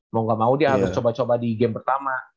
mau gak mau dia harus coba coba di game pertama